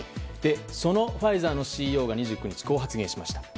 そのファイザーのＣＥＯが２９日、こう発言しました。